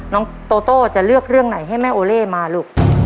น้องโตโต้จะเลือกเรื่องไหนให้แม่โอเล่มาลูก